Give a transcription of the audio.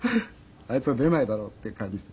あいつは出ないだろうっていう感じで。